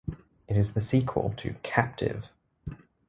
It is the sequel to "Captive".